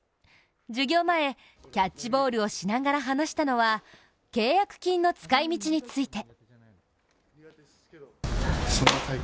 授業前、キャッチボールをしながら話したのは契約金の使いみちについて。